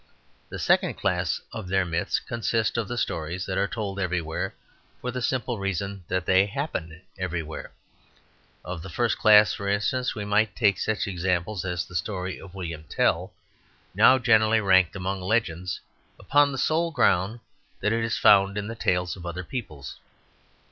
The second class of their "myths" consist of the stories that are told everywhere for the simple reason that they happen everywhere. Of the first class, for instance, we might take such an example as the story of William Tell, now generally ranked among legends upon the sole ground that it is found in the tales of other peoples.